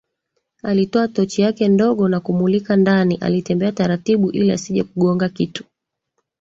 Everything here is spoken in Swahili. Alitoa tochi yake ndogo na kumulika ndani alitembea taratibu ili asije kugonga kitu